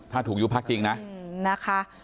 ถ้าถูกอยู่พักจริงนะ